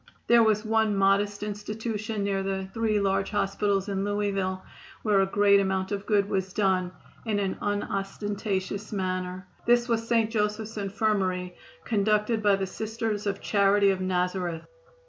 There was one modest institution near the three large hospitals in Louisville where a great amount of good was done in an unostentatious manner. This was St. Joseph's Infirmary, conducted by the Sisters of Charity of Nazareth.